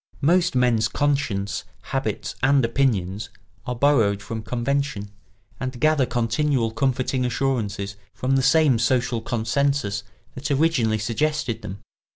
Most men's conscience, habits, and opinions are borrowed from convention and gather continual comforting assurances from the same social consensus that originally suggested them.